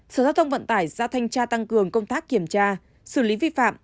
sở giao thông vận tải ra thanh tra tăng cường công tác kiểm tra xử lý vi phạm